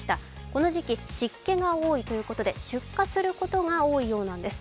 この時期、湿気が多いということで出火することが多いようなんです。